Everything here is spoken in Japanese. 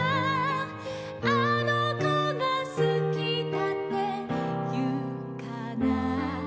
「あのこがすきだっていうかな」